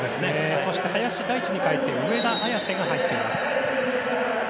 そして、林大地に代えて上田綺世が入ります。